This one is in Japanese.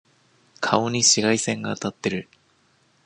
顔に紫外線が当たってる。